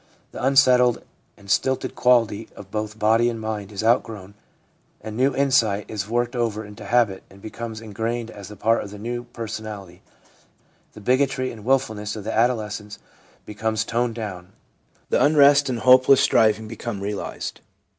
The unsettled and stilted quality of both body and mind is outgrown, and new insight is worked over into habit and becomes ingrained as a part of the new personality ; the bigotry and wilfulness of adolescence become toned down ; the unrest and hope less striving become realised.